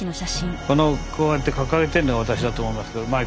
このこうやって掲げてるのが私だと思いますけど。